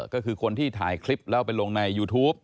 ก็คือคนที่ถ่ายคลิปแล้วไปลงในยูทูป